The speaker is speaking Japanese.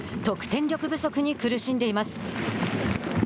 得点力不足に苦しんでいます。